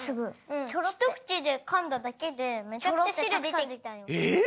ひとくちでかんだだけでめちゃくちゃしるでてきたよ。え！？